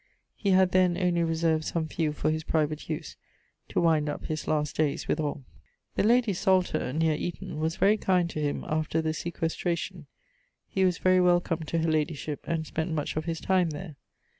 He had then only reserved some few for his private use, to wind up his last dayes withall. The ladie Salter (neer Eaton) was very kind to him after the sequestration; he was very welcome to her ladyship, and spent much of his time there.